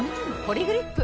「ポリグリップ」